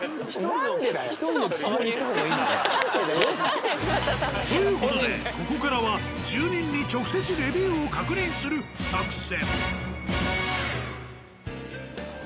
何でだよ。という事でここからは住人に直接レビューを確認する作戦。